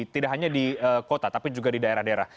tidak hanya di kota tapi juga di daerah daerah